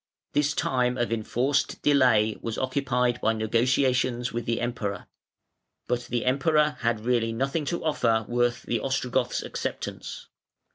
This time of enforced delay was occupied by negotiations with the Emperor. But the Emperor had really nothing to offer worth the Ostrogoth's acceptance.